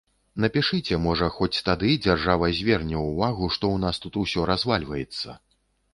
Напішыце, можа хоць тады дзяржава зверне ўвагу, што ў нас тут усё развальваецца.